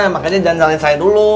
makanya jangan nyalain saya dulu